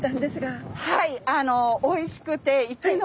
はい。